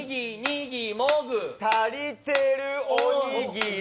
「足りてるおにぎり」。